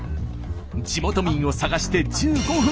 地元民を探して１５分。